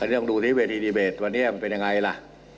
ต้องดูที่เวทีดีเบตวันนี้มันเป็นยังไงล่ะ